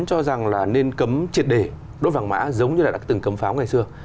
các bác từng cấm pháo ngày xưa